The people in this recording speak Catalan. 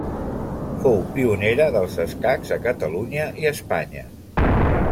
Fou pionera dels escacs a Catalunya i a Espanya.